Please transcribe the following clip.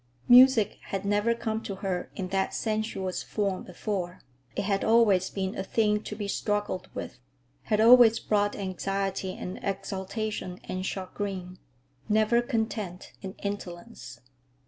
Music had never come to her in that sensuous form before. It had always been a thing to be struggled with, had always brought anxiety and exaltation and chagrin—never content and indolence.